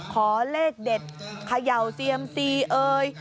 ขอเลขเด็ดเขย่าเซียมซีเอ่ย